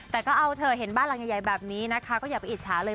แต่ก็เอาเธอเห็นบ้านหลังใหญ่แบบนี้นะคะก็อย่าไปอิจฉาเลย